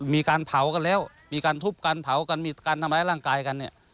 มีการเผากันแล้วมีการทุบกันเผากันมีการทำร้ายร่างกายกันเนี่ย